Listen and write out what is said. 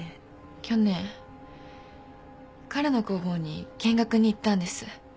去年彼の工房に見学に行ったんです。